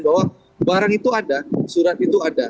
bahwa barang itu ada surat itu ada